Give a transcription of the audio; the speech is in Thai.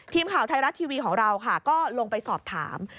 ทีมข่าวไทยรัฐทีวีของเราค่ะก็ลงไปสอบถาม